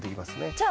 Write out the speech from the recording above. じゃあ。